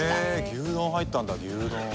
牛丼入ったんだ牛丼。